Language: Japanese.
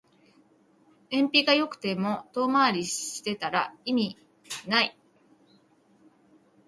燃費が良くても遠回りしてたら意味ない